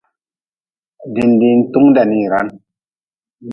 Dindiin tung da niran.